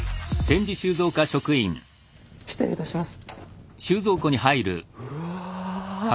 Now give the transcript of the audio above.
失礼いたします。